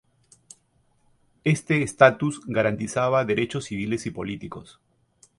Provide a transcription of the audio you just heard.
Este estatus garantizaba derechos civiles y políticos.